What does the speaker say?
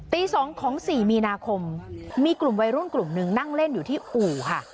ตี๒ของ๔มีนาคมมีกลุ่มวัยรุ่นกลุ่มหนึ่งนั่งเล่นอยู่ที่อู่ค่ะ